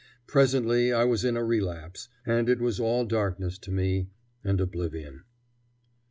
Presently I was in a relapse, and it was all darkness to me, and oblivion.